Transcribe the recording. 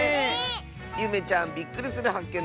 ゆめちゃんびっくりするはっけん